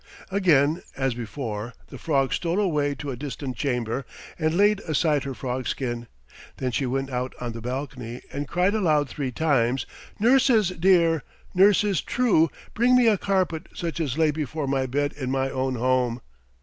Again as before the frog stole away to a distant chamber and laid aside her frog skin. Then she went out on the balcony and cried aloud three times; "Nurses dear, nurses true, bring me a carpet such as lay before my bed in my own home."